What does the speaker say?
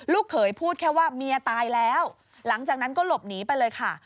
เขยพูดแค่ว่าเมียตายแล้วหลังจากนั้นก็หลบหนีไปเลยค่ะ